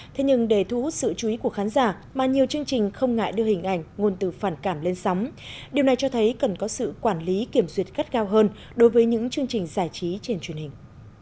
thế nhưng để thu hút sự chú ý của khán giả mà nhiều chương trình không ngại đưa hình ảnh nguồn từ phản cảm lên sóng điều này cho thấy cần có sự quản lý kiểm duyệt gắt gao hơn đối với những chương trình giải trí trên truyền hình